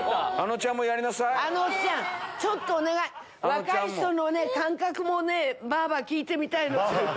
若い人の感覚もねばあば聞いてみたいの。